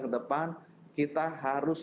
ke depan kita harus